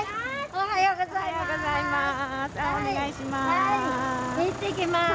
おはようございます！